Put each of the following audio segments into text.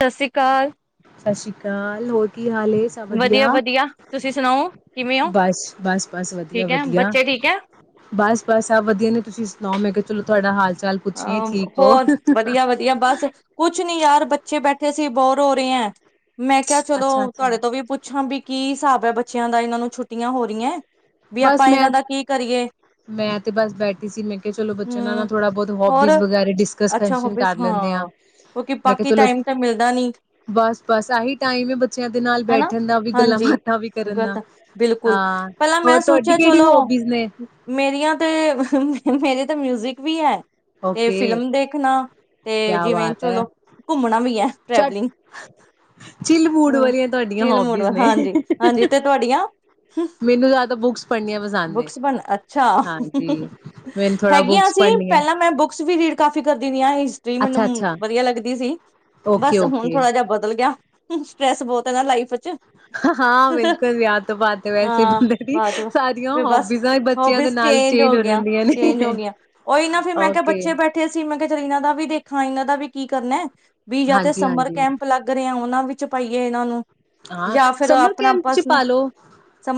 ਸਤਿ ਸ੍ਰੀ ਅਕਾਲ ਕਾਲ ਹੋਰ ਕੀ ਕੀ ਹਾਲ ਹੈ ਸਭ ਵਧੀਆ, ਤੁਸੀਂ ਸੁਣਾਓ ਕਿਵੇਂ ਹੋ ਬਸ ਬਸ ਬਸ ਵਧੀਆ ਠੀਕ ਹੈ ਵਧੀਆ, ਬੱਚੇ ਠੀਕ ਹੈ ਬਸ ਬਸ ਸਭ ਵਧੀਆ ਨੇ ਤੁਸੀਂ ਸੁਣਾਓ ਮੈਂ ਕਿਹਾ ਚਲੋ ਤੁਹਾਡਾ ਹਾਲ ਚਾਲ ਆ ਪੁੱਛੀਏ ਠੀਕ ਹੋ ਹੋਰ ਵਧੀਆ ਵਧੀਆ ਬਸ ਕੁਛ ਨੀ ਯਾਰ ਬੱਚੇ ਬੈਠੇ ਸੀ। ਬੋਰ ਹੋ ਰਹੀ ਏ ਮੈਂ ਕਿਹਾ ਅੱਛਾ ਚਲੋ ਅੱਛਾ ਤੁਹਾਡੇ ਤੋਂ ਵੀ ਪੁੱਛਾਂ ਵੀ ਕੀ ਹਿਸਾਬ ਹੈ ਬੱਚਿਆਂ ਦਾ ਇਹਨਾਂ ਨੂੰ ਛੁੱਟੀਆਂ ਹੋ ਰਹੀਆਂ। ਵੀ ਬਸ ਆਪਾਂ ਮੈਂ ਇਹਨਾਂ ਦਾ ਕੀ ਕਰੀਏ ਮੈਂ ਤੇ ਬਸ ਬੈਠੀ ਸੀ ਮੈਂ ਕਿਹਾ ਚਲੋ ਬੱਚਿਆਂ ਨਾਲ ਨਾ ਹਮ ਥੋੜਾ ਬਹੁਤ ਹੋਬ ਹੋਬਿਸ ਹੋਰ ਵਗੈਰਾ ਡਿਸਕਸ ਕਰ ਅੱਛਾ ਹੋਬੀਸ ਲੈਂਦੇ ਆ ਹਾਂ ਕਿਉਂਕਿ ਮੈਂ ਕਿਹਾ ਬਾਕੀ ਚਲੋ ਟਾਈਮ ਤਾਂ ਮਿਲਦਾ ਨੀ ਬਸ ਬਸ ਆਹੀ ਟਾਈਮ ਹੈ ਬੱਚਿਆਂ ਦੇ ਨਾਲ ਹਨਾ ਬੈਠਣ ਦਾ ਵੀ ਗੱਲਾਂ ਹਾਂਜੀ ਬਾਤਾਂ ਵੀ ਕਰਨ ਦਾ। ਹਾਂ ਹੋਰ ਤੁਹਾਡੀ ਅੱਛਾ ਕਿਹੜੀ ਚਲੋ ਹੋਬੀਜ਼ ਨੇ ਮੇਰੀਆਂ ਤੇ ਮੇਰੇ ਤਾਂ ਮਿਊਜਿਕ ਵੀ ਹੈ ਤੇ ਓਕੇ ਫਿਲਮ ਦੇਖਣਾ ਤੇ ਕਿਆ ਜਿਵੇਂ ਬਾਤ ਹੈ ਚਲੋ ਘੁੰਮਣਾ ਵੀ ਹੈ। ਟ੍ਰੈਵਲਿੰਗ ਚਿਲ ਮੂਡ ਵਾਲੀਆਂ ਤੁਹਾਡੀਆਂ ਚਿਲ ਮੂਡ ਹੋਬੀਜ਼ ਵਾਲਾ ਨੇ ਹਾਂਜੀ ਹਾਂਜੀ ਤੇ ਤੁਹਾਡੀਆਂ ਮੈਨੂੰ ਜ਼ਿਆਦਾ ਬੂਕਸ ਪੜ੍ਹਨੀਆਂ ਪਸੰਦ ਨੇ ਬੁੱਕਸ ਬਣ ਅੱਛਾ ਹਾਂਜੀ ਮੈਨੂੰ ਥੋੜਾ ਹੈਗੀਆਂ ਬੁਕਸ ਸੀ ਪੜ੍ਹਨੀਆਂ ਪਹਿਲਾਂ ਮੈਂ ਬੁੱਕਸ ਵੀ ਰੀਡ ਕਾਫ਼ੀ ਕਰਦੀ ਦੀਆ ਹਿਸਟਰੀ ਮੈਨੂੰ ਅੱਛਾ-ਅੱਛਾ, ਵਧੀਆ ਲੱਗਦੀ ਸੀ ਬਸ ਹੁਣ ਓਕੇ-ਓਕੇ। ਥੋੜਾ ਜਿਹਾ ਬਦਲ ਗਿਆ। ਸਟਰ੍ਰੈੱਸ ਬਹੁਤ ਹੈ ਨਾ ਲਾਈਫ ਚ ਹਾਂ ਬਿਲਕੁਲ ਵਿਆਹ ਤੋਂ ਬਾਅਦ ਵੈਸੇ ਹਾਂ ਬੰਦੇ ਦੀ ਬਾਅਦ ਚ ਸਾਰੀਆਂ ਫਿਰ ਬਸ ਹੋਬੀਜ਼ਾਂ ਬੱਚਿਆਂ ਦੇ ਹੋਬੀਜ਼ ਨਾਲ ਚੇਂਜ ਹੋ ਗਈਆਂ ਜਾਂਦੀਆਂ ਨੇ ਚੇਂਜ ਹੋ ਗਈਆਂ ਉਹੀ ਨਾ ਫਿਰ ਮੈਂ ਕਿਹਾ ਓਕੇ, ਬੱਚੇ ਬੈਠੇ ਸੀ ਮੈਂ ਕਿਹਾ ਚੱਲ ਇਹਨਾਂ ਦਾ ਵੀ ਦੇਖਾਂ ਇਹਨਾਂ ਦਾ ਵੀ ਕੀ ਕਰਨਾ ਏ। ਵੀ ਜਾਂ ਤੇ ਸਮਰ ਹਾਂਜੀ-ਹਾਂਜੀ। ਕੈਂਪ ਲੱਗ ਰਹੇ ਆ ਉਹਨਾ ਵਿੱਚ ਚ ਪਾਈਏ ਇਹਨਾਂ ਨੂੰ ਹਾਂ ਜਾਂ ਫਿਰ ਸਮਰ ਆਪਣਾ ਕੈਂਪ ਚ ਪਰਸਨ ਪਾਲੋ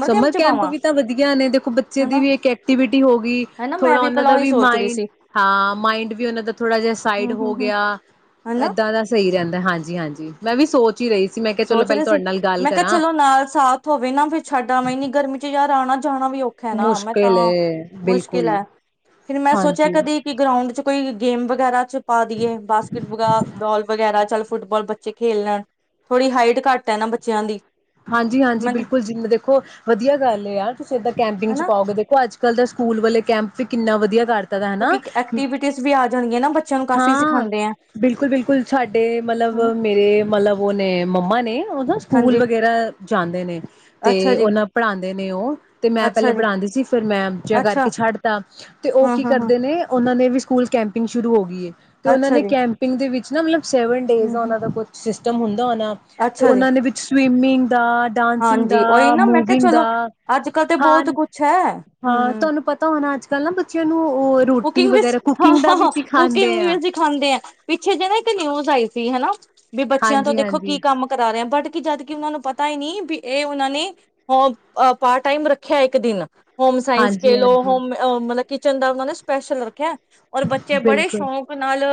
ਸਮਰ ਕੈਂਪ ਵੀ ਤਾਂ ਵਧੀਆ ਨੇ ਦੇਖੋ ਬੱਚੇ ਦੀ ਹਨਾ ਵੀ ਇੱਕ ਐਕਟੀਵਿਟੀ ਹੋ ਗਈ ਹਨਾ ਮੈਂ ਥੋੜਾ ਉਹਨਾਂ ਭਲਾ ਦਾ ਉਹੀ ਵੀ ਸੋਚ ਰਹੀ ਮਾਇੰਡ ਸੀ ਹਾਂ। ਹਾਂ ਮਾਇੰਡ ਵੀ ਉਹਨਾਂ ਦਾ ਥੋੜਾ ਜਿਹਾ ਸਾਈਡ ਹੂੰ ਹੂੰ ਹੋ ਹੂੰ ਗਿਆ ਹਨਾ ਏਦਾਂ ਦਾ ਸਹੀ ਰਹਿੰਦਾ ਹਾਂਜੀ ਹਾਂਜੀ। ਮੈਂ ਵੀ ਸੋਚ ਰਹੀ ਸੀ ਮੈਂ ਕਿਹਾ ਚਲੋ ਸੋਚ ਪਹਿਲਾ ਰਹੀ ਮੈਂ ਕਿਹਾ ਚਲੋ ਨਾਲ ਸਾਥ ਹੋਵੇ ਨਾ ਫੇਰ ਛੱਡ ਆਵਾ ਏਨ੍ਹੀ ਗਰਮੀ ਚ ਯਾਰ ਆਣਾ ਜਾਣਾ ਵੀ ਔਖਾ ਨਾ ਮੈਂ ਮੁਸ਼ਕਿਲ ਤਾਂ ਏ ਮੁਸ਼ਕਿਲ ਬਿਲਕੁਲ ਹੈ ਫਿਰ ਮੈਂ ਸੋਚਿਆ ਹਾਂਜੀ ਕਦੇ ਕਿ ਗਰਾਉਂਡ ਚ ਕੋਈ ਗੇਮ ਵਗੈਰਾ ਚ ਪਾ ਦੀਏ ਬਾਸਕਿਟ ਬੋਲ ਵਗੈਰਾ ਚੱਲ ਫੁੱਟਬਾਲ ਬੱਚੇ ਖੇਲ ਲੈਣ ਥੋੜ੍ਹੀ ਹਾਈਟ ਘੱਟ ਹੈ ਨਾ ਬੱਚਿਆਂ ਦੀ। ਹਾਂਜੀ ਹਾਂਜੀ ਮੈਂ ਕਿਹਾ ਬਿਲਕੁਲ ਜਿਵੇਂ ਦੇਖੋ ਵਧੀਆ ਗੱਲ ਆ ਤੁਸੀਂ ਇੱਦਾਂ ਕੈਂਪਿੰਗ ਚ ਹਨਾ ਪਾਓਗੇ। ਦੇਖੋ ਅੱਜ ਕੱਲ੍ਹ ਦਾ ਸਕੂਲ ਵਾਲੇ ਕੈਂਪ ਫੇਰ ਕਿੰਨਾ ਵਧੀਆ ਕਰਤਾ ਹਨਾ। ਕਿਉਂਕਿ ਐਕਟੀਵਿਟੀਜ਼ ਵੀ ਆ ਜਾਣਗੀਆਂ ਨਾ ਬੱਚਿਆਂ ਨੂੰ ਕਾਫ਼ੀ ਹਾਂ, ਸਿਖਾਉਂਦੇ ਆ ਬਿਲਕੁਲ ਬਿਲਕੁਲ ਸਾਡੇ ਮਤਲਬ ਹਨਾ ਮੇਰੇ ਮਤਲਬ ਉਹ ਨੇ ਮੰਮਾ ਨੇ ਉਦੋਂ ਸਕੂਲ ਹਾਂਜੀ ਵਗੈਰਾ ਜਾਂਦੇ ਨੇ ਤੇ ਅੱਛਾ ਜੀ ਉਹਨਾਂ ਪੜਾਦੇ ਨੇ ਉਹ ਤੇ ਮੈਂ ਅੱਛਾ ਪਹਿਲੇ ਜੀ ਪੜ੍ਹਾਦੇ ਸੀ ਫਿਰ ਮੈਂ ਅਜਿਹਾ ਅੱਛਾ ਕਰਕੇ ਛੱਡ ਤਾਂ ਤੇ ਉਹ ਹਾਂ ਕੀ ਹਾਂ ਹਾਂ ਕਰਦੇ ਨੇ ਉਹ ਓਹਨਾਂ ਦੇ ਵੀ ਸਕੂਲ ਕੈਂਪਿੰਗ ਸ਼ੁਰੂ ਹੋ ਗਈ ਏ। ਤੇ ਉਹ ਅੱਛਾ ਨੇ ਜੀ ਕੈਂਪਿੰਗ ਦੇ ਵਿੱਚ ਨਾ ਮਤਲਬ ਸੈਵਨ ਡੇਜ ਹਮ ਉਹ ਹਮ ਦਾ ਕੁਸ਼ ਸਿਸਟਮ ਹੁਣ ਹੋਣਾ ਤੇ ਅੱਛਾ ਜੀ ਉਹਨਾਂ ਦੇ ਵਿੱਚ ਸ ਸਵਿਮਿੰਗ ਦਾ, ਡਾਂਸਿੰਗ ਹਾਂਜੀ ਉਹੀ ਦਾ, ਨਾ ਮੈਂ ਕਿਹਾ ਮੂਵਿੰਗ ਚਲੋ ਦਾ, ਅੱਜ ਕੱਲ ਤੇ ਬਹੁਤ ਕੁਛ ਹੈ ਹਾਂ-ਹਾਂ ਹਮ ਤੁਹਾਨੂੰ ਪਤਾ ਹੋਣਾ ਅੱਜ-ਕੱਲ੍ਹ ਨਾ ਬੱਚਿਆਂ ਨੂੰ ਉਹ ਰੋਟੀ ਕੁਕਿੰਗ ਵੀ ਵਗੈਰਾ ਸੀ, ਕੁਕਿੰਗ ਦਾ ਵੀ ਹਾਂ। ਸਿਖਾਉਂਦੇ ਕੁਕਿੰਗ ਆ ਵੀ ਸਿਖਾਂਦੇ ਐ, ਪਿੱਛੇ ਜੇ ਨਾ ਇੱਕ ਨਿਊਜ਼ ਆਈ ਸੀ ਹਨਾ ਵੀ ਬੱਚਿਆਂ ਤੋਂ ਦੇਖੋ ਹਾਂਜੀ-ਹਾਂਜੀ, ਕੀ ਕੰਮ ਕਰਾ ਰਿਹੇ ਆ, ਬਟ ਕੀ ਜਦ ਕਿ ਉਹਨਾਂ ਨੂੰ ਪਤਾ ਈ ਨੀ ਬੀ ਇਹ ਉਹਨਾਂ ਨੇ ਓ ਬ ਪਾਰਟ ਟਾਈਮ ਰੱਖਿਆ ਇੱਕ ਦਿਨ। ਹੋਮ ਸਾਇੰਸ ਕਹਿ ਲਓ, ਹਾਂਜੀ-ਹਾਂਜੀ, ਹੋਮ ਓ ਮਤਲਬ ਕਿਚਨ ਦਾ ਉਹਨਾਂ ਨੇ ਸਪੈਸ਼ਲ ਰ ਖਿਆ, ਔਰ ਬੱਚੇ ਬੜੇ ਬਿਲਕੁਲ ਸ਼ੌਕ ਨਾਲ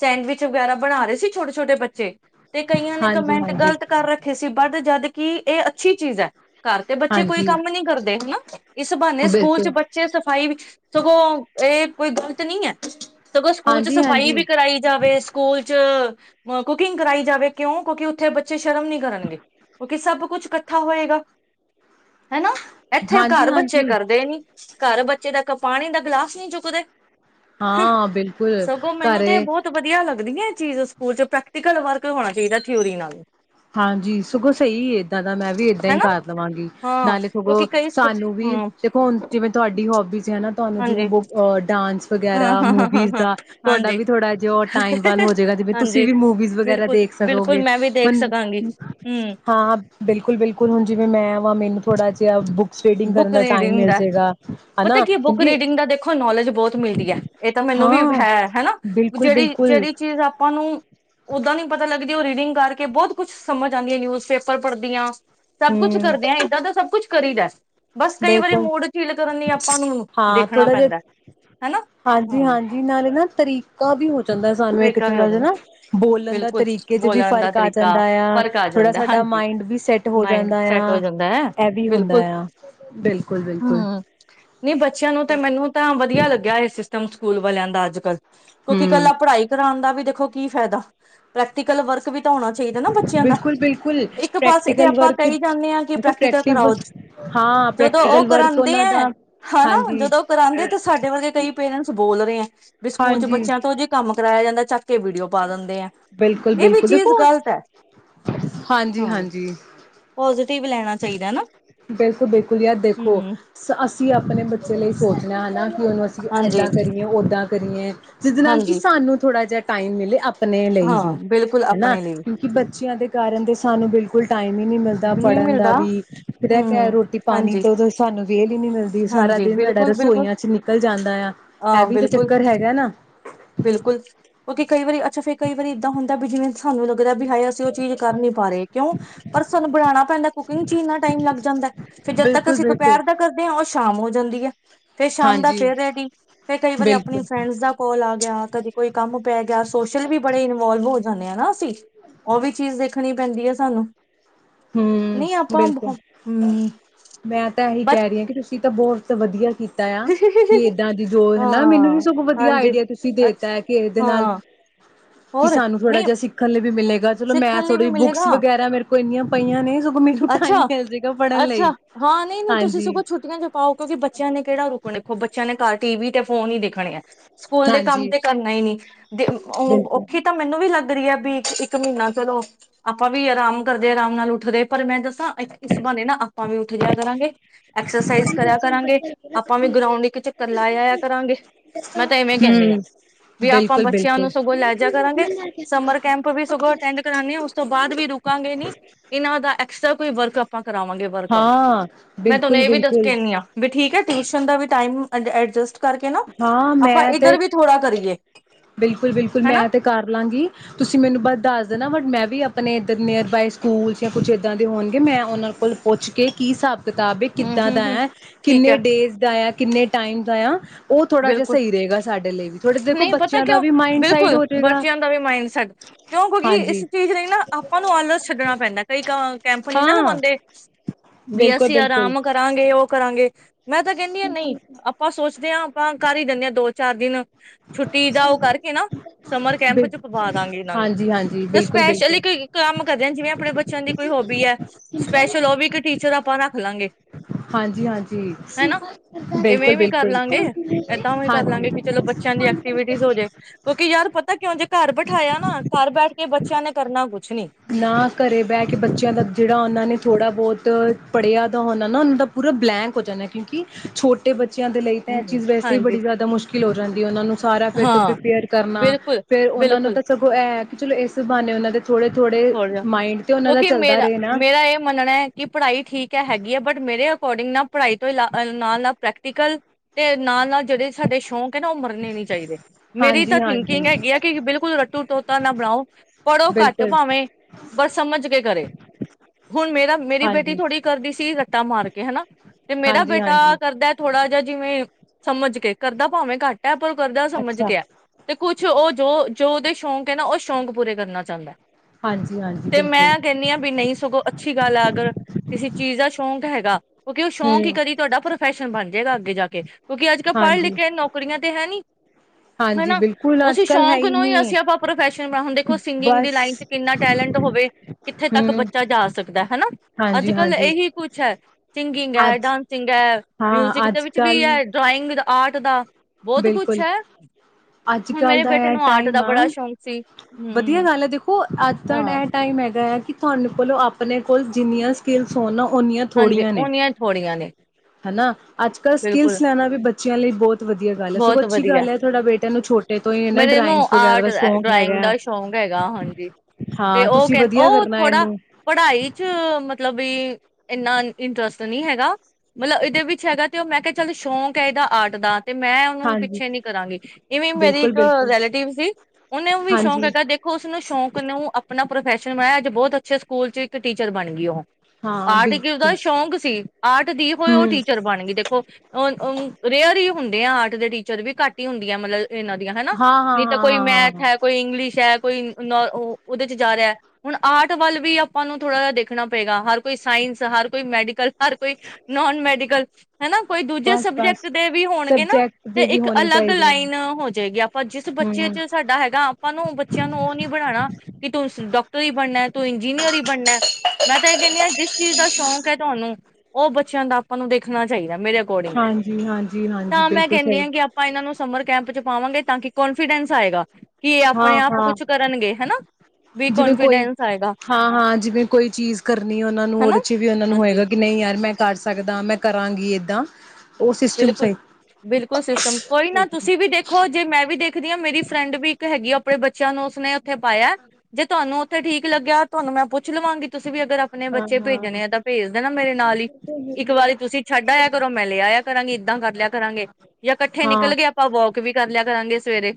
ਸੈਂਡਵਿੱਚ ਵਗੈਰਾ ਬਣਾ ਰਹੇ ਸੀ, ਛੋਟੇ-ਛੋਟੇ ਬੱਚੇ। ਤੇ ਕਈਆਂ ਨੇ ਕਮੈਂਟ ਹਾਂਜੀ-ਹਾਂਜੀ, ਗ਼ਲਤ ਕਰ ਰੱਖੇ ਸੀ, ਬੱਟ ਜੱਦ ਕਿ ਇਹ ਅੱਛੀ ਚੀਜ਼ ਐ। ਘਰ ਤੇ ਬੱਚੇ ਕੋਈ ਹਾਂਜੀ ਕੰਮ ਹਾਂਜੀ ਨੀ ਕਰਦੇ ਹਨਾ, ਇਸ ਬਹਾਨੇ ਸਕੂਲ 'ਚ ਬਿਲਕੁਲ ਬੱਚੇ ਸਫ਼ਾਈ, ਸਗੋਂ ਇਹ ਕੋਈ ਗ਼ਲਤ ਨਹੀਂ ਐ। ਸਗੋਂ ਸਕੂਲ 'ਚ ਸਫ਼ਾਈ ਹਾਂਜੀ-ਹਾਂਜੀ, ਵੀ ਕਰਾਈ ਜਾਵੇ, ਸਕੂਲ 'ਚ ਮ ਕੁਕਿੰਗ ਕਰਾਈ ਜਾਵੇ, ਕਿਉਂ? ਕਿਉਂਕਿ ਉੱਥੇ ਬੱਚੇ ਸ਼ਰਮ ਨੀ ਕਰਨਗੇ, ਕਿਉਂਕਿ ਸਭ ਕੁਛ ਇਕੱਠਾ ਹੋਏਗਾ। ਹਨਾ, ਇੱਥੇ ਓ ਘਰ ਬੱਚੇ ਹਾਂਜੀ-ਹਾਂਜੀ ਕਰਦੇ ਨੀ। ਘਰ ਬੱਚੇ ਦਾ ਇੱਕ ਪਾਣੀ ਦਾ ਗਲਾਸ ਨਹੀਂ ਚੁੱਕਦੇ। ਹਾਂ, ਬਿਲਕੁਲ, ਸਗੋਂ ਮੈਨੂੰ ਤੇ ਘਰੇ ਬਹੁਤ ਵਧੀਆ ਚੀਜ਼ ਸਕੂਲ 'ਚ ਪ੍ਰੈਕਟੀਕਲ ਵਰਕ ਹੋਣਾ ਚਾਹੀਦਾ ਥਿਊਰੀ ਨਾਲ। ਹਾਂਜੀ ਸਗੋਂ ਸਹੀ ਐ ਏਦਾਂ ਦਾ, ਮੈਂ ਵੀ ਏਦਾਂ ਈ ਹਨਾ ਕਰ ਲਵਾਂਗੀ। ਹਾਂ ਨਾਲੇ ਕਿਉਂਕਿ ਸਗੋਂ ਕਈ ਸਕੂ ਸਾਨੂੰ ਵੀ ਹਾਂ ਦੇਖੋ ਹੁਣ ਜਿਵੇਂ ਤੁਹਾਡੀ ਹੋਬੀਜ਼ ਹੈ ਨਾ ਤੁਹਾਨੂੰ ਜਿਵੇਂ ਹਾਂਜੀ ਬੁ ਅਹ ਡਾਂ ਹਾਂ ਵਗੈਰਾ ਹਾਂ ਹਾਂ ਹਾਂ ਮੂਵੀਜ਼ ਹਾਂ ਦਾ, ਤੁਹਾਡਾ ਹਾਂਜੀ ਵੀ ਥੋੜਾ ਜਿਹਾ ਉਹ ਟਾਈਮ ਵੱਲ ਹੋ ਜੇਗਾ, ਜਿਵੇਂ ਤੁਸੀਂ ਹਾਂਜੀ ਵੀ ਮੂਵੀਜ਼ ਵਗੈਰਾ ਬਿਲਕੁਲ ਦੇਖ ਬਿਲਕੁਲ ਸਕੋਗੇ। ਮੈਂ ਵੀ ਦੇਖ ਹੁਣ ਸਕਾਂਗੀ ਹਮ ਹਾਂ, ਬਿਲਕੁਲ ਬਿਲਕੁਲ। ਹੁਣ ਜਿਵੇਂ ਮੈਂ ਵਾਂ, ਮੈਨੂੰ ਥੋੜਾ ਜਿਹਾ ਬੁੱਕਸ ਰੀਡਿੰਗ ਕਰਨ ਬੁੱਕ ਦਾ ਟਾਈਮ ਰੀਡਿੰਗ ਮਿਲ ਦਾ ਜੇਗਾ, ਪਤਾ ਹਨਾ ਕਿਉਂਕਿ ਦੀਆ, ਇਹ ਤਾਂ ਮੈਨੂੰ ਵੀ ਹਾਂ ਹੈ, ਹਨਾ, ਜਿਹੜੀ ਬਿਲਕੁਲ-ਬਿਲਕੁਲ ਜਿਹੜੀ ਚੀਜ਼ ਆਪਾਂ ਨੂੰ ਉਦਾ ਨੀ ਪਤਾ ਲੱਗ ਤੇ ਉਹ ਰੀਡਿੰਗ ਕਰਕੇ ਬਹੁਤ ਕੁਛ ਸਮਝ ਆਂਦੀ ਏ, ਨਿਊਜ਼ਪੇਪਰ ਪੜ੍ਹਦੀ ਆਂ। ਸਭ ਕੁਛ ਹੂੰ ਕਰਦੇ ਆ, ਏਦਾਂ ਦਾ ਸਭ ਕੁੱਛ ਕਰੀ ਦਾ ਐ। ਬਸ ਕਈ ਵਾਰੀ ਬਿਲਕੁਲ ਮੂਡ ਚਿੱਲ ਕਰਨ ਲਈ ਆਪਾਂ ਨੂੰ ਦੇਖਣਾ ਪੈਂਦੈ। ਹਾਂਜੀ ਹਾਂਜੀ, ਨਾਲੇ ਨਾ ਤਰੀਕਾਂ ਵੀ ਹੋ ਜਾਂ, ਸਾਨੂੰ ਇੱਕ ਤਰੀਕਾ ਵੀ ਹੋ ਥੋੜਾ ਜਿਆ ਜਾਂਦਾ ਨਾ ਬੋਲਣ ਦਾ ਬਿਲਕੁਲ ਤਰੀਕੇ 'ਚ ਵੀ ਬੋਲਣ ਦਾ ਫਰਕ ਆ ਤਰੀਕਾ ਜਾਂਦਾ ਆ, ਫ਼ਰਕ ਥੋੜਾ ਜਾਂਦਾ ਸਾਡਾ ਹਾਂਜੀ ਮਾਇੰਡ ਵੀ ਸੈਟ ਹੋ ਮਾਇੰਡ ਜਾਂਦਾ ਸੈਟ ਹੋ ਆ, ਜਾਂਦਾ ਹੈ ਐ ਵੀ ਬਿਲਕੁਲ ਹੁੰਦਾ ਆ ਬਿਲਕੁਲ-ਬਿਲਕੁਲ ਹੂੰ, ਨਹੀਂ ਬੱਚਿਆਂ ਨੂੰ ਤੇ ਮੈਨੂੰ ਤਾਂ ਵਧੀਆ ਲੱਗਿਆ ਇਹ ਸਿਸ ਟਮ ਸਕੂਲ ਵਾਲਿਆਂ ਦਾ ਅੱਜ ਕੱਲ ਕਿਉਂਕਿ ਹੂੰ ਇਕੱਲਾ ਪੜ੍ਹਾਈ ਦਾ ਵੀ ਦੇਖੋ, ਕੀ ਫਾਇਦਾ ਪ੍ਰੈਕਟੀਕਲ ਵਰਕ ਵਿੱਚ ਹੋਣਾ ਚਾਹੀਦਾ ਨਾ ਬੱਚਿਆਂ ਦਾ ਬਿਲਕੁਲ ਬਿਲਕੁਲ ਇੱਕ ਪਾਸੇ ਤੇ ਪ੍ਰੈਕਟੀਕਲ ਆਪਾਂ ਵਰਕ ਕਹੀ ਜਾਂਦੇ ਹਾਂ ਕਿ ਦੇਖੋ ਪ੍ਰੈਕਟੀਕਲ ਪ੍ਰੈਕਟਿਵ ਕਰਾਓ, ਹਾਂ ਜਦੋਂ ਉਹ ਪ੍ਰੈਕਟੀਕਲ ਵਰਕ ਕਰਾਦੇ ਉਹਨਾਂ ਹੈ ਦਾ ਹਨਾ ਹਾਂਜੀ ਜਦੋਂ ਉਹ ਕਰਾਦੇ ਆ ਤਾਂ ਸਾਡੇ ਵਰਗੇ ਕਈ ਪੇਰੈਂਟਸ ਬੋਲ ਰਹੇ ਹੈ। ਵੀ ਸਕੂਲ ਚ ਹਾਂਜੀ ਬੱਚਿਆਂ ਤੋਂ ਜੇ ਕੰਮ ਕਰਇਆ ਜਾਂਦਾ ਚ ਕੇ ਵੀਡੀਓ ਪਾ ਦਿੰਦੇ ਆ ਬਿਲਕੁਲ ਇਹ ਵੀ ਬਿਲਕੁਲ ਚੀਜ਼ ਦੇਖੋ ਗਲਤ ਹੈ ਹਾਂਜੀ ਹਾਂ। ਹਾਂਜੀ ਲੈਣਾ ਚਾਹੀਦਾ ਨਾ। ਬਿਲਕੁਲ-ਬਿਲਕੁਲ ਯਾਰ ਦੇਖੋ, ਹੂੰ, ਅਸੀਂ ਆਪਣੇ ਬੱਚੇ ਲਈ ਸੋਚਦੇ ਹਾਂ ਹਨਾ, ਕਿ ਉਹਨੂੰ ਅਸੀਂ ਏਦਾਂ ਕਰੀਏ ਓਦਾਂ ਕਰੀਏ, ਜਿਹਦੇ ਨਾਲ ਕਿ ਹਾਂਜੀ-ਹਾਂਜੀ ਸਾਨੂੰ ਥੋੜ ਥੋੜਾ ਜਿਹਾ ਟਾਈਮ ਮਿਲੇ ਆਪਾਂ ਆਪਨੇ ਲਈ ਹਾਂ ਵੀ ਬਿਲਕੁਲ ਹਨਾ, ਆਪਣੇ ਲਈ ਕਿਉਂਕਿ ਬੱਚਿਆਂ ਦੇ ਕਾਰਨ ਦੇ, ਸਾਨੂੰ ਬਿਲਕੁਲ ਠੀ ਟਾਈਮ ਹੀ ਨਹੀਂ ਮਿਲਦਾ ਵੀ ਨੀ ਪੜ੍ਹਨ, ਦਾ ਮਿਲਦਾ ਵੀ ਰਹਿ ਕੇ ਹੂੰ, ਰੋਟੀ ਪਾਣੀ ਹਾਂਜੀ, ਤੇ ਉਦੋਂ ਸਾਨੂੰ ਨੀ ਮਿਲਦੀ ਸਾਰਾ ਹਾਂਜੀ, ਦਿਨ ਸਾਡਾ ਬਿਲਕੁਲ, ਬਿਲਕੁਲ ਰਸੋਈਆਂ ਚ ਨਿਕਲ ਜਾਂਦਾ ਆ, ਇਹ ਹਾਂ, ਵੀ ਤਾਂ ਬਿਲਕੁਲ, ਚੱਕਰ ਹੈਗਾ ਨਾ। ਬਿਲਕੁਲ ਕਿਉਂਕਿ ਕਈ ਵਾਰੀ ਅੱਛਾ ਫੇਰ ਕਈ ਵਾਰੀ ਏਦਾਂ ਹੁੰਦਾ ਵੀ ਜਿਵੇਂ ਸਾਨੂੰ ਲੱਗਦਾ ਵੀ ਹੈ, ਹੈਏ ਅਸੀਂ ਉਹ ਚੀਜ਼ ਕਰ ਨੀ ਪਾ ਰਹੇ, ਕਿਉਂ ਪਰ ਸਾਨੂੰ ਬਣਾਣਾ ਪੈਂਦਾ ਕੁਕਿੰਗ ਚ ਇੰਨਾ ਟਾਈਮ ਲੱਗ ਜਾਂਦਾ, ਫ਼ਿਰ ਜਦ ਤੱਕ ਅਸੀਂ ਬਿਲਕੁਲ-ਬਿਲਕੁਲ ਦੁਪਹਿਰ ਦਾ ਕਰਦੇ ਹਾਂ ਉਹ ਸ਼ਾਮ ਹੋ। ਜਾਂਦੀ ਹੈ। ਫੇਰ ਸ਼ਾਮ ਦਾ ਹਾਂਜੀ ਫੇਰ ਰੇਡੀ ਫੇਰ ਕਈ ਵਾਰੀ ਆਪਣੀ ਬਿਲਕੁਲ ਫਰੈਂਡਸ ਦਾ ਕੋਲ ਆ ਕਦੇ ਕੋਈ ਕੰਮ ਪੈ ਗਿਆ। ਸੋਸ਼ਲ ਵੀ ਬੜੇ ਇਨਵੋਲਵ ਹੋ ਜਾਂਦੇ। ਨਾ ਅਸੀਂ ਉਹ ਵੀ ਚੀਜ਼ ਦੇਖਣੀ ਪੈਂਦੀ ਹੈ ਸਾਨੂੰ ਹੂੰ, ਨਹੀਂ ਆਪਾਂ ਬਿਲਕੁਲ ਹੂੰ ਮੈਂ ਤਾਂ ਇਹੀ ਬਚ ਕਹਿ ਰਹੀ ਹਾਂ ਕਿ ਤੁਸੀਂ ਤਾਂ ਬਹੁ ਤ ਵਧੀਆ ਕੀਤਾ। ਕੀਤਾ ਆ ਕਿ, ਏਦਾਂ ਦੀ ਜੋ ਹਨਾ ਮੈਨੂੰ ਵੀ ਹਾਂ ਸਗੋ ਵਧੀਆ ਹਾਂਜੀ ਆਈਡੀਆ ਤੁਸੀਂ ਦੇਤਾ ਹੈ, ਕਿ ਇਹਦੇ ਨਾਲ ਹਾਂ ਕਿ ਹੋਰ ਸਾਨੂੰ ਥੋੜਾ ਨਹੀਂ ਜਿਹਾ ਸਿਖਣ ਲਈ, ਮਿਲੇ। ਚਲੋ, ਮੈਂ ਥੋੜ੍ਹੀ ਬੁੱਕਸ ਵਗੈਰਾ ਮੇਰੇ ਕੋਲ ਇਨੀਆਂ ਪੜ੍ਹਨ ਅੱਛਾ-ਅੱਛਾ ਲਈ ਹਾਂ ਨਹੀਂ-ਨਹੀਂ, ਤੁਸੀਂ ਹਾਂਜੀ ਸਗੋਂ ਛੁੱਟੀਆਂ ਚ ਪਾਓ ਕਿਉਂਕਿ ਬੱਚਿਆਂ ਨੇ ਕਿਹੜਾ ਰੁਕਣ ਦੇਖੋ ਬੱਚਿਆਂ ਨੇ ਘਰ ਟੀ ਵੀ ਤੇ, ਫੋਨ ਹੀ ਦੇਖਣੇ ਆ। ਸਕੂਲ ਦੇ ਕੰਮ ਹਾਂਜੀ ਤੇ ਕਰਨਾ ਹੀ ਨੀ ਦੇ ਔਖੀ ਤਾਂ ਮੈਨੂੰ ਵੀ ਲੱਗ ਦਰੀਆ ਬੀ ਇੱਕ ਇੱਕ ਮਹੀਨਾ ਚਲੋ ਆਪਾਂ ਵੀ ਆਰਾਮ ਕਰਦੇ ਆਰਾਮ ਨਾਲ ਉੱਠਦੇ ਪਰ ਮੈਂ ਦੱਸਾਂ ਇਸ ਬਹਾਨੇ ਨਾ ਆਪਾਂ ਵੀ ਉੱਠ ਜਾ ਕਰਾਂਗੇ ਐਕਸਰਸਾਈਜ਼ ਕਰਿਆ ਕਰਾਂਗੇ ਆਪਾਂ ਵੀ ਗਰਾਉਂਡ ਇੱਕ ਚੱਕਰ ਲੈ ਆਇਆ ਕਰਾਂਗੇ ਮੈਂ ਤਾਂ ਇਵੇਂ ਕਹਿੰਦੀ ਹਾਂ। ਹੂੰ ਵੀ ਆਪਾਂ ਬਿਲਕੁਲ ਬੱਚਿਆਂ ਬਿਲਕੁਲ ਨੂੰ ਸਗੋਂ ਲੈ ਜਾ ਕਰਾਂਗੇ ਸਮਰ ਕੈਂਪ ਵਿੱਚ ਸਗੋਂ ਅਟੈਂਡ ਕਰਾ ਨੇ ਆ ਉਸ ਤੋਂ ਬਾਅਦ ਵੀ ਰੁਕਾਂਗੇ ਨੀ ਇਹਨਾਂ ਦਾ ਐਕਸ ਕੋਈ ਵਰਕ ਆਪਾਂ ਕਰਾਵਾਂਗੇ ਵਰਕ ਆਊਟ ਹਾਂ ਮੈਂ ਤੁਹਾਨੂੰ ਬਿਲਕੁਲ ਇਹ ਵੀ ਦੱਸ ਬਿਲਕੁਲ ਕੇ ਆਦੀ ਹਾਂ ਵੀ ਠੀਕ ਹੈ ਤੁਸੀ ਦਾ ਵੀ ਟਾਈਮ ਐਡਜਸਟ ਕਰਕੇ ਨਾ ਹਾਂ ਆਪਾਂ ਮੈਂ ਤੇ ਇੱਧਰ ਵੀ ਥੋੜਾ ਕਰੀਏ ਬਿਲਕੁਲ ਬਿਲਕੁਲ ਹਨਾ ਮੈਂ ਤੇ ਕਰ ਲਾਂਗੀ ਤੁਸੀਂ ਮੈਨੂੰ ਬਸ ਦੱਸ ਦੇਣਾ ਬਟ ਮੈਂ ਵੀ ਆਪਣੇ ਇੱਧਰ ਨੀਅਰ ਬਾਏ ਸਕੂਲਸ ਜਾਂ ਕੁਝ ਇੱਦਾਂ ਦੇ ਹੋਣਗੇ ਮੈਂ ਉਹਨਾਂ ਕੋਲ ਪੁੱਛ ਕੇ ਕੀ ਹਿਸਾਬ ਕਿਤਾਬਿਕ ਹੂੰ ਕਿੱਦਾਂ ਹੂੰ ਦਾ ਹੂੰ ਹੈ ਠੀਕ ਕਿੰਨੇ ਹੈ ਡੇਜ਼ ਦਾ ਹੈ। ਕਿੰਨੇ ਟਾਈਮ ਦਾ ਆ ਬਿਲਕੁਲ ਸਹੀ ਰਹੇਗਾ ਸਾਡੇ ਲਈ ਵੀ ਥੋੜੇ ਦੇਖੋ ਨਹੀਂ ਪਤਾ ਬੱਚਿਆਂ ਦਾ ਕਿਉਂ ਵੀ ਮਾਇੰਡ ਸਾਈਡ ਬਿਲਕੁਲ ਹੋ ਜਾਏਗਾ ਬੱਚਿਆਂ ਦਾ ਵੀ ਮਾਈੰਡ ਸੈਟ ਕਿਉਂ ਕਿਉਂਕਿ ਹਾਂਜੀ ਇਸ ਚੀਜ਼ ਲਈ ਨਾ ਆਪਾਂ ਨੂੰ ਆਲਸ ਛੱਡਣਾ ਪੈਂਦਾ ਕਈ ਕ ਕੈਂਪ ਨਹੀਂ ਨਾ ਹਾਂ ਲਵਾਦੇ ਵੀ ਅਸੀਂ ਬਿਲਕੁਲ-ਬਿਲਕੁਲ ਆਰਾਮ ਕਰਾਂਗੇ। ਉਹ ਕਰਾਂਗੇ ਮੈਂ ਤਾਂ ਕਹਿੰਦੀ ਹਾਂ ਨਹੀਂ ਆਪਾਂ ਸੋਚਦੇ ਹਾਂ ਆਪਾਂ ਕਰ ਹੀ ਦਿੰਦੇ ਹਾਂ ਦੋ ਚਾਰ ਦਿਨ ਛੁੱਟੀ ਦਾ ਉਹ ਕਰਕੇ ਨਾ ਸਮਰ ਕੈਂਪ ਬਿਲ ਚ ਪਵਾ ਦਾਂਗੇ ਇਹਨਾਂ ਨੂੰ ਹਾਂਜੀ-ਹਾਂਜੀ ਤੇ ਸਪੈਸ਼ਲ ਬਿਲਕੁਲ-ਬਿਲਕੁਲ ਇੱਕ ਕੰਮ ਕਰਦੇ ਜਿਵੇਂ ਆਪਣੇ ਬੱਚਿਆਂ ਦੀ ਕੋਈ ਹੋਬੀ ਹੈ ਸਪੈਸ਼ਲ ਹੋਬੀ ਇੱਕ ਟੀਚਰ ਆਪ ਆਪਾਂ ਰੱਖ ਲਾਂਗੇ ਹਾਂਜੀ ਹਾਂਜੀ ਹਨਾ ਇਵੇਂ ਬਿਲਕੁਲ ਵੀ ਕਰ ਬਿਲਕੁਲ ਲਾਂਗੇ ਏਦਾਂ ਹੀ ਕਰ ਲਾਂਗੇ ਕਿ ਚਲੋ ਬੱਚਿਆਂ ਦੀ ਐਕਟੀਵਿਟੀਜ਼ ਹੋ ਹਾਂਜੀ ਜੇ ਕਿਉਂਕਿ ਯਾਰ ਪਤਾ ਕੀ ਜੇ ਘਰ ਬਿਠਾਇਆ ਨਾ ਘਰ ਬੈਠ ਕੇ ਬੱਚਿਆਂ ਨੇ ਕਰਨਾ ਕੁੱਝ ਨਾ ਘਰੇ ਬਹਿ ਕੇ ਬੱਚਿਆਂ ਦਾ ਜਿਹੜਾ ਉਹਨਾਂ ਨੇ ਥੋੜ੍ਹਾ ਬਹੁਤ ਪੜ੍ਹਿਆ ਦਾ ਹੁੰਦਾ ਨਾ ਉਹਨਾਂ ਦਾ ਪੂਰਾ ਬਲੈਂਕ ਹੋ ਜਾਂਦਾ ਕਿਉਂਕਿ ਛੋਟੇ ਬੱਚੇ ਬੱਚਿਆਂ ਦੇ ਲਈ ਤਾਂ ਇਹ ਚੀਜ਼ ਵੈਸੇ ਹੀ ਹਾਂਜੀ ਬੜੀ ਜ਼ਿਆਦਾ ਮੁਸ਼ਕਿਲ ਹੋ ਜਾਂਦੀ ਹੈ ਉਹਨਾਂ ਨੂੰ ਸਾਰਾ ਫਿਰ ਤੋਂ ਹਾਂ ਪ੍ਰੀਪੇਅਰ ਕਰਨਾ ਬਿਲਕੁਲ ਫੇਰ ਉਹਨਾਂ ਨੂੰ ਬਿਲਕੁਲ ਤਾਂ ਸਗੋਂ ਇਹ ਕਿ ਚਲੋ ਇਸ ਬਾਨੇ ਉਹਨਾਂ ਦੇ ਥੋੜੇ ਥੋੜ੍ਹਾ ਜਿਹਾ ਕਿਉਂਕਿ ਮੇਰਾ ਨਾ ਮੇਰਾ ਇਹ ਮੰਨਣਾ ਹੈ ਕਿ ਪੜ੍ਹਾਈ ਠੀਕ ਹੈ ਹੈਗੀ ਹੈ ਬਟ ਮੇਰੇ ਅਕੋਡਿੰਗ ਨਾ ਪੜ੍ਹਾਈ ਤੋਂ ਇਲਾਵਾ ਨਾਲ ਨਾਲ ਪ੍ਰੈਕਟੀਕਲ ਤੇ ਨਾਲ ਨਾਲ ਜਿਹੜੇ ਸਾਡੇ ਸ਼ੌਂਕ ਹੈ ਨਾ ਉਹ ਮਰਨੇ ਨੀ ਚਾਹੀਦੇ। ਮੇਰੀ ਤਾਂ ਹਾਂਜੀ ਹਾਂਜੀ ਥਿੰਕਿੰਗ ਹੈਗੀ ਆ ਕਿ ਬਿਲਕੁਲ ਰੱਟੂ ਤੋਤਾ ਨਾ ਬਣਾਓ ਪੜੋ ਘੱਟ ਬਿਲਕੁਲ ਭਾਵੇ ਪਰ ਸਮਝ ਕੇ ਕਰੇ ਹੁਣ ਮੇਰਾ ਮੇਰੀ ਬੇਟੀ ਹਾਂਜੀ ਥੋੜ੍ਹੀ ਕਰਦੀ ਸੀ ਰੱਟਾ ਮਾਰ ਕੇ ਹਨਾ ਤੇ ਮੇਰਾ ਹਾਂਜੀ ਬੇਟਾ ਹਾਂਜੀ ਕਰਦਾ ਥੋੜ੍ਹਾ ਜਾ ਜਿਵੇਂ ਸਮਝ ਕੇ ਕਰਦਾ ਭਾਵੇਂ ਘੱਟ ਏ ਪਰ ਕਰਦਾ ਸਮਝ ਅੱਛਾ ਕੇ ਐ ਤੇ ਕੁੱਛ ਉਹ ਜੋ ਜੋ ਉਹਦੇ ਸ਼ੌਂਕ ਹੈ ਨਾ ਉਹ ਸ਼ੌਕ ਪੂਰੇ ਕਰਨਾ ਚਾਹੁੰਦਾ ਹੈ। ਹਾਂਜੀ ਹਾਂਜੀ ਤੇ ਬਿਲਕੁਲ ਮੈਂ ਕਹਿਣੀ ਹਾਂ ਵੀ ਨਹੀਂ ਸਗੋਂ ਅੱਛੀ ਗੱਲ ਹੈ ਅਗਰ ਕਿਸੇ ਚੀਜ਼ ਦਾ ਸ਼ੌਂਕ ਹੈਗਾ ਕਿਉਂਕਿ ਉਹ ਸ਼ੌਂਕ ਹੀ ਹੂੰ ਕਦੀ ਤੁਹਾਡਾ ਪ੍ਰੋਫੈਸ਼ਨ ਸਨ ਬਣ ਜਾਏਗਾ ਅੱਗੇ ਜਾ ਕੇ ਕਿਉਂਕਿ ਅੱਜ-ਕੱਲ ਪੜ੍ਹ ਹਾਂਜੀ ਲਿਖ ਕੇ ਨੌਕਰੀਆਂ ਤੇ ਹੈ ਨੀ ਹਾਂਜੀ ਹਨਾ ਬਿਲਕੁਲ ਉਸ ਅੱਜ ਕੱਲ੍ਹ ਹੈ ਸ਼ੌਂਕ ਨੂੰ ਹੀ ਅਸੀਂ ਨਹੀਂ ਆਪਾਂ ਪ੍ਰੋਫੈਸ਼ਨ ਬਣਾ, ਹੁਣ ਦੇਖੋ ਸਿੰਗਿੰਗ ਦੀ ਬਸ ਲਾਈਨ 'ਚ ਕਿੰਨਾ ਟੈਲੈਂਟ ਹੋਵੇ, ਕਿੱਥੇ ਤੱਕ ਹੂੰ ਬੱਚਾ ਜਾ ਸਕਦਾ, ਹਨਾ। ਅੱਜ ਕੱਲ ਹਾਂਜੀ-ਹਾਂਜੀ, ਇਹੀ ਕੁਛ ਐ, ਸਿੰਗਿੰਗ ਐ, ਅੱਜ ਡਾਂਸਿੰਗ ਐ, ਹਾਂ ਮਿਊਜਿਕ ਦੇ ਵਿੱਚ ਵੀ ਅੱਜ-ਕੱਲ੍ਹ ਐ, ਡਰਾਇੰਗ [unintelligible] ਆਰਟ ਦਾ ਬਹੁਤ ਕੁਛ ਬਿਲਕੁਲ, ਹੈ ਅੱਜ ਹੁਣ ਕੱਲ ਮੇਰੇ ਦਾ ਬੇਟੇ ਐ ਨੂੰ ਆਰਟ ਟਾਈਮ ਦਾ ਆ, ਬੜਾ ਸ਼ੌਂਕ ਸੀ ਵਧੀਆ ਹਮ ਗੱਲ ਐ ਦੇਖੋ ਅਜ ਤਾਡਾ ਹਾਂ ਐ ਟਾਈਮ ਹੈਗਾ ਐ ਕਿ ਤੁਹਾਨੂੰ ਕੋਲੋਂ, ਆਪਣੇ ਕੋਲ ਜਿੰਨੀਆਂ ਸਕਿੱਲਸ ਹੋਣ ਨਾ ਓਨੀਆਂ ਹਾਂਜੀ, ਥੋੜ੍ਹੀਆਂ ਨੇ ਉਹਨੀਆਂ ਥੋੜੀਆਂ ਨੇ। ਹਨਾ। ਅੱਜ ਕੱਲ੍ਹ ਬਿਲਕੁਲ ਸਕਿੱਲਸ ਲੈਣਾ ਵੀ ਬੱਚਿਆਂ ਲਈ ਬਹੁਤ ਵਧੀਆ ਗੱਲ ਹੈ ਸਗੋਂ ਬਹੁਤ ਅੱਛੀ ਵਧੀਆ। ਗੱਲ ਹੈ ਤੁਹਾਡਾ ਬੇਟੇ ਨੂੰ ਛੋਟੇ ਤੋਂ ਹੀ ਨਾ ਮੇਰੇ ਨੂੰ ਡਰਾਇੰਗਸ ਵਗੈਰਾ ਆਰਟ ਦਾ ਅਹ ਸ਼ੌਕ ਡਰਾਇੰਗ ਹੈਗਾ ਹੈ ਦਾ ਸ਼ੌਕ ਹੈਗਾ, ਹਾਂਜੀ ਤੇ ਹਾਂ ਉਹ ਤੁਸੀਂ ਕਹ ਵਧੀਆ ਉਹ ਕਰਨਾ ਥੋੜਾ ਇਹਨੂੰ ਪੜ੍ਹਾਈ 'ਚ ਮਤਲਬ ਵੀ ਇੰਨਾ ਇੰਟਰਸਟ ਨਹੀਂ ਹੈਗਾ, ਮਤਲਬ ਇਹਦੇ ਵਿੱਚ ਹੈਗਾ ਤੇ ਉਹ ਮੈਂ ਕਿਹਾ ਚੱਲ ਸ਼ੌਂਕ ਹੈ ਇਹਦਾ ਆਰਟ ਦਾ ਤੇ ਮੈਂ ਉਹਨੂੰ ਹਾਂਜੀ ਪਿੱਛੇ ਨੀ ਕਰਾਂਗੀ। ਇਵੇਂ ਮੇਰੀ ਇੱਕ ਬਿਲਕੁਲ-ਬਿਲਕੁਲ ਰੈਲੇਟਿਵ ਸੀ, ਉਹਨੇ ਵੀ ਸ਼ੌਂਕ ਹਾਂਜੀ ਹੈਗਾ, ਦੇਖੋ ਉਸਨੂੰ ਸ਼ੌਂਕ ਨੂੰ ਆਪਣਾ ਪ੍ਰੋਫੈਸ਼ਨ ਬਣਾਇਆ, ਅੱਜ ਬਹੁਤ ਅੱਛੇ ਸਕੂਲ 'ਚ ਇੱਕ ਟੀਚਰ ਬਣਗੀ ਉਹੋ। ਹਾਂ ਆਰਟ ਕਿ ਬਿਲਕੁਲ ਉਹਦਾ ਸ਼ੌਂਕ ਸੀ, ਆਰਟ ਦੀ ਹੋਈ ਉਹ ਹੂੰ ਟੀਚਰ ਬਣ ਗਈ ਦੇਖੋ। ਓਨ ਅਮ ਰੇਅਰੀ ਹੁੰਦੇ ਆ ਆਰਟ ਦੇ ਟੀਚਰ, ਵੀ ਘੱਟ ਹੀ ਹੁੰਦੀ ਆ ਮਤਲਬ ਇਹਨਾਂ ਦੀਆਂ ਹਨਾ। ਨਹੀਂ ਤਾਂ ਕੋਈ ਮੈਥ ਹਾਂ-ਹਾਂ-ਹਾਂ-ਹਾਂ-ਹਾਂ ਐ, ਕੋਈ ਇੰਗਲਿਸ਼ ਐ ਕੋਈ ਨੌ ਉ ਉਹਦੇ 'ਚ ਜਾ ਰਿਹਾ। ਹੁਣ ਆਰਟ ਵੱਲ ਵੀ ਆਪਾਂ ਨੂੰ ਥੋੜ੍ਹਾ ਜਹਾ ਦੇਖਣਾ ਪਏਗਾ, ਹਰ ਕੋਈ ਸਾਇੰਸ, ਹਰ ਕੋਈ ਮੈਡੀਕਲ ਹਰ ਕੋਈ ਨੋਨ ਮੈਡੀਕਲ ਹਨਾ? ਕੋਈ ਦੂਜੇ ਬਸ-ਬਸ ਸਬਜੈਕਟ ਦੇ ਹੋਣਗੇ ਨਾ ਸਬਜੈਕਟ ਤੇ ਦੇ ਵੀ ਇੱਕ ਹੋਣੇ ਅਲੱਗ ਚਾਹੀਦੇ ਲਾਈਨ ਆ। ਹੋ ਜਾਏਗੀ, ਆਪਾਂ ਜਿਸ ਬੱਚੇ ਹੂੰ। 'ਚ ਸਾਡਾ ਹੈਗਾ, ਆਪਾਂ ਨੂੰ ਬੱਚਿਆਂ ਨੂੰ ਉਹ ਨੀ ਬਣਾਣਾ ਕਿ ਤੁੂੰ ਡਾਕਟਰ ਹੀ ਬਣਨੈ ਤੂੰ ਇੰਜੀਨੀਅਰ ਹੀ ਬਣਨੈ। ਮੈਂ ਤਾਂ ਇਹ ਕਹਿੰਨੀ ਆਂ, ਜਿਸ ਚੀਜ਼ ਦਾ ਸ਼ੌਂਕ ਹੈ ਤੁਹਾਨੂੰ, ਉਹ ਬੱਚਿਆਂ ਦਾ ਆਪਾਂ ਨੂੰ ਦੇਖਣਾ ਚਾਹੀਦਾ, ਮੇਰੇ ਅਕੋਰਡਿੰਗ। ਹਾਂਜੀ-ਹਾਂਜੀ-ਹਾਂਜੀ ਤਾਂ ਮੈਂ ਬਿਲਕੁਲ ਕਹਿੰਦੀ ਸਹੀ ਆਂ ਕਿ ਆਪਾਂ ਇਹਨਾਂ ਨੂੰ ਸਮਰ ਕੈਂਪ 'ਚ ਪਾਵਾਂਗੇ ਤਾਂ ਕਿ ਕੌਨ ਫੀਡੈਂਸ ਆਏਗਾ। ਕਿ ਇਹ ਆਪਣੇ ਹਾਂ, ਆਪ ਹਾਂ। ਕੁਛ ਕਰਨਗੇ ਹਨਾ ਵੀ ਜਿਵੇਂ ਕੋਈ। ਕਨਫੀਡੈਂਸ ਆਏਗਾ ਹਾਂ, ਹਾਂ, ਜਿਵੇਂ ਕੋਈ ਚੀਜ਼ ਕਰਨੀ ਉਹਨਾਂ ਨੂੰ ਹਨਾ ਉਹਦੇ 'ਚ ਵੀ ਉਹਨਾਂ ਨੂੰ ਹਾਂਜੀ ਹੋਏਗਾ ਕਿ ਨਹੀਂ ਯਾਰ ਮੈਂ ਕਰ ਸਕਦਾ, ਮੈਂ ਕਰਾਂਗੀ ਏਦਾਂ। ਉਹ ਸਿਸਟਮ ਬਿਲਕੁਲ, ਸਹੀ ਬਿਲਕੁਲ ਸਿਸਟਮ। ਕੋਈ ਨਾ ਤੁਸੀਂ ਵੀ ਦੇਖੋ ਜੇ ਮੈਂ ਵੀ ਦੇਖਦੀ ਆਂ, ਮੇਰੀ ਫਰੈਂਡ ਵੀ ਇੱਕ ਹੈਗੀ ਆ ਆਪਣੇ ਬੱਚਿਆਂ ਨੂੰ ਸੁਨੇ, ਉੱਥੇ ਪਾਇਆ ਜੇ ਤੁਹਾਨੂੰ ਉੱਥੇ ਠੀਕ ਲੱਗਿਆ ਤੁਹਾਨੂੰ ਮੈਂ ਪੁੱਛ ਲਵਾਂਗੀਂ, ਤੁਸੀ ਤੁਸੀਂ ਵੀ ਅਗਰ ਆਪਣੇ ਬੱਚੇ ਹਾਂ-ਹਾਂ, ਭੇਜਣੇ ਆ ਤਾਂ ਭੇਜਦੇ ਨਾ ਮੇਰੇ ਨਾਲ ਹੀ ਇੱਕ ਵਾਰੀ ਤੁਸੀਂ ਛੱਡ ਆਇਆ ਕਰੋ ਮੈਂ ਲੈ ਆਇਆ। ਕਰਾਂਗੇ ਏਦਾਂ ਕਰ ਲਿਆ ਕਰਾਂਗੇ, ਜਾਂ ਇਕੱਠੇ ਨਿਕਲਗੇ ਆਪਾਂ ਵੋਕ ਵੀ ਕਰ ਲਿਆ ਕਰਾਂਗੇ ਸਵੇਰੇ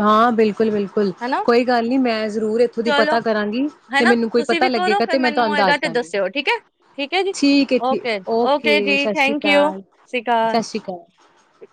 ਹਾਂ ਬਿਲਕੁਲ-ਬਿਲਕੁਲ ਹਨਾ, ਕੋਈ ਗੱਲ ਨੀ ਮੈਂ ਜ਼ਰੂਰ ਇੱਥੋਂ ਦੀ ਚਲੋ ਪਤਾ ਕਰਾਂਗੀ ਤੇ ਹਨਾ ਮੈਨੂੰ ਕੋਈ ਤੁਸੀਂ ਪਤਾ ਵੀ ਕਰੋ ਲੱਗੇਗਾ ਫਿਰ। ਤੇ ਮੈਂ ਮੈਨੂੰ ਤੁਹਾਨੂੰ ਇਹਗਾ ਦੱਸ ਤੇ ਦਾਂਗੀ। ਦੱਸਿਓ ਠੀਕ ਹੈ, ਠੀਕ ਹੈ ਜੀ ਠੀਕ ਏ ਠੀਕ ਓਕੇ-ਓਕੇ ਓਕੇ ਜੀ ਸਤਿ ਸ਼੍ਰੀ ਥੈਂਕ ਯੂ। ਅਕਾਲ, ਸਤਿ ਸ਼੍ਰੀ ਅਕਾਲ। ਸ਼੍ਰੀ ਅਕਾਲ। ਠਕ